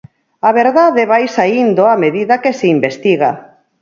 A verdade vai saíndo a medida que se investiga.